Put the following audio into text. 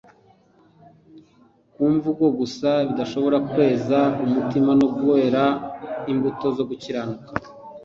ku mvugo gusa bidashobora gukiza umutima no kwera imbuto zo gukiranuka.